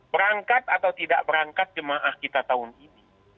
berangkat atau tidak berangkat jemaah kita tahun ini